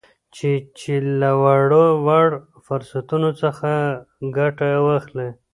چې چې له وړ وړ فرصتونو څخه ګته واخلي